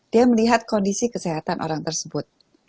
dia melihat kondisi kesehatan orang tersebut